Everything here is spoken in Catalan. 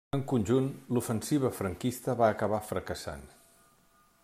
En conjunt, l'ofensiva franquista va acabar fracassant.